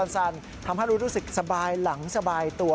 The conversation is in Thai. ทำให้รู้สึกสบายหลังสบายตัว